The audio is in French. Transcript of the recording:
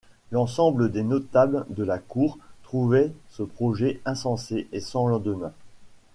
L’ensemble des notables de la cour trouvait ce projet insensé et sans lendemain.